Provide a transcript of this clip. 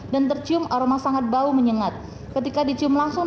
dan tercium aroma sangat bau menyengat ketika dicium langsung